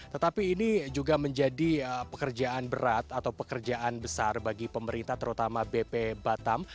tetapi ini juga menjadi pekerjaan berat atau pekerjaan besar bagi pemerintah terutama bp batam